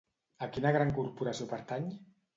A quina gran corporació pertany?